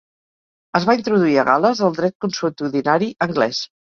Es va introduir a gal·les el dret consuetudinari anglès.